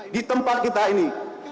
di tempat kita ini